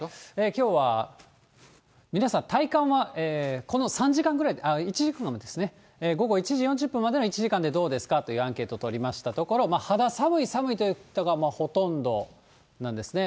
きょうは皆さん、体感はこの３時間ぐらいで、１時間ですね、午後１時４０分までの１時間でどうですかというアンケート取りましたところ、肌寒い、寒いという人がほとんどなんですね。